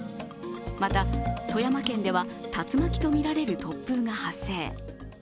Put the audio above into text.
また、富山県では竜巻とみられる突風が発生。